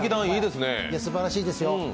すばらしいですよ。